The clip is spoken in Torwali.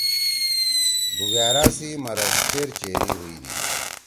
بُگأرا سی مَرض چیر چیری ہوئی دی۔